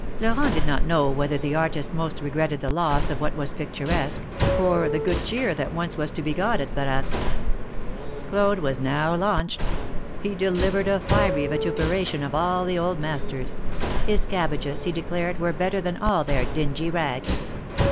Florent did not know whether the artist most regretted the loss of what was picturesque, or the good cheer that once was to be got at Baratte's. Claude was now launched ; he delivered a fiery vituperation of all the old masters; his cabbages, he declared, were better than all their dingy rags.